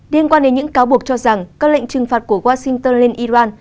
liên quan đến những cáo buộc cho rằng các lệnh trừng phạt của washington lên iran